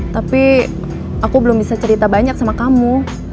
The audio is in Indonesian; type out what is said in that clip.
tapi aku belum bisa cerita banyak sama kamu